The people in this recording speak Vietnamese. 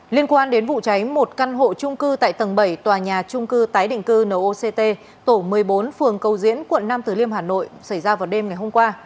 liên quan đến vụ cháy một căn hộ trung cư tại tầng bảy tòa nhà trung cư tái định cư noct tổ một mươi bốn phường cầu diễn quận năm từ liêm hà nội xảy ra vào đêm ngày hôm qua